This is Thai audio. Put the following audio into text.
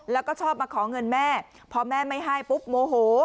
แล้วก็ชอบมาขอเงินแม่พอแม่ไม่ให้ปุ๊บโมโห